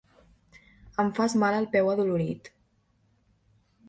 Em fas mal al peu adolorit.